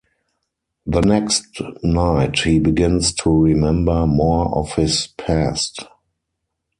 The next night he begins to remember more of his past.